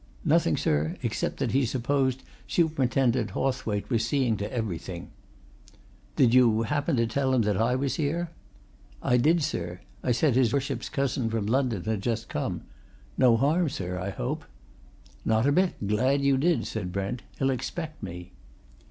"Nothing, sir, except that he supposed Superintendent Hawthwaite was seeing to everything." "Did you happen to tell him that I was here?" "I did, sir; I said his Worship's cousin from London had just come. No harm, sir, I hope?" "Not a bit glad you did," said Brent. "He'll expect me."